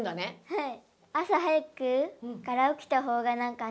はい。